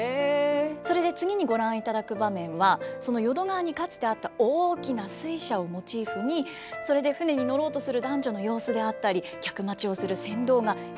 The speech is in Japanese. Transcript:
それで次にご覧いただく場面はその淀川にかつてあった大きな水車をモチーフにそれで舟に乗ろうとする男女の様子であったり客待ちをする船頭が描かれているという。